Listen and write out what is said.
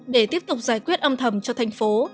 để tiếp tục giải quyết âm thầm cho thành phố